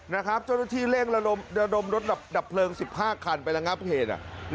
นะครับจนที่เร่งระดมรถดับเพลิงสิบห้าคันไปละงับเพจละ